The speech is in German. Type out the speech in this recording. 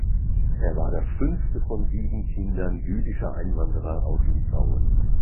Er war das fünfte von sieben Kindern jüdischer Einwanderer aus Litauen.